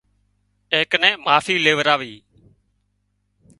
اين ڪنين معافي ليوراوي